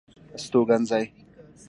استوګنځي